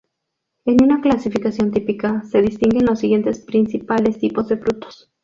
En una clasificación típica se distinguen los siguientes principales tipos de frutos.